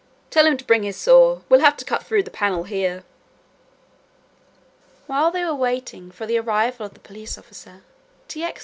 "Tell him to bring his saw, we'll have to cut through the panel here." While they were waiting for the arrival of the police officer T. X.